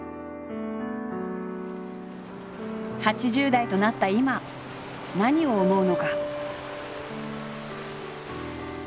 ８０代となった今何を思うのか？